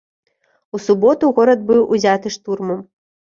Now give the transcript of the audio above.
У суботу горад быў узяты штурмам.